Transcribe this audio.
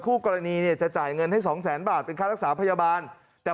คู่กรณีเนี่ยจะจ่ายเงินให้สองแสนบาทเป็นค่ารักษาพยาบาลแต่